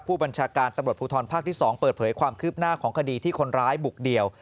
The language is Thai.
ผู้บัญชาการตำรวจภูทรภาคที่๒เปิดเผยความคืบหน้าของคดีที่คนร้ายบุกเดี่ยว